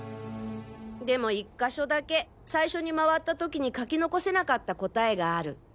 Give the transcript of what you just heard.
でも１か所だけ最初に回った時に書き残せなかった答えがある。